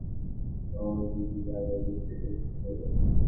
স্থানীয় সূত্রে জানা যায়, সুমনা বৌডুবি গ্রামের মৃত নূরুল ইসলামের মেয়ে।